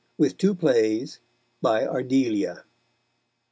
_With Two Plays. By Ardelia.